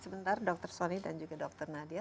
sebentar dr soni dan juga dr nadia